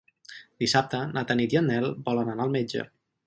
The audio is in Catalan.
Dissabte na Tanit i en Nel volen anar al metge.